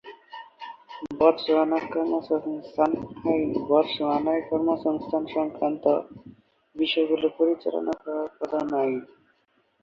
বতসোয়ানার কর্মসংস্থান আইন বতসোয়ানায় কর্মসংস্থান-সংক্রান্ত বিষয়গুলি পরিচালনা করার প্রধান আইন।